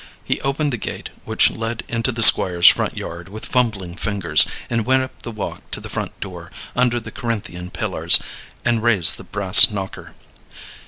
He opened the gate which led into the Squire's front yard with fumbling fingers, and went up the walk to the front door, under the Corinthian pillars, and raised the brass knocker.